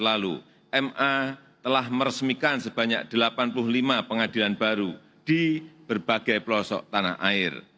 dua ribu delapan belas lalu ma telah meresmikan sebanyak delapan puluh lima pengadilan baru di berbagai pelosok tanah air